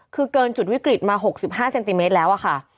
คือเกินจุดวิกฤตมา๖๕เซนติเมตรแล้วอะค่ะ